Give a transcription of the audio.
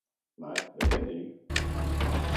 Nej, jeg kan ikke